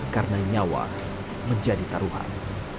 karena nyawa menjadi taruhan